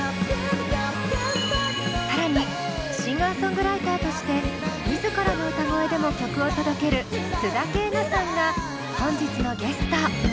更にシンガーソングライターとして自らの歌声でも曲を届ける須田景凪さんが本日のゲスト。